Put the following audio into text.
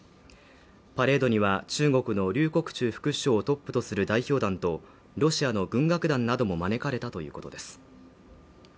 パレードには中国の劉国中副首相トップとする代表団とロシアの軍楽団なども招かれたということです